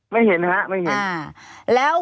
ไม่เห็นครับไม่เห็น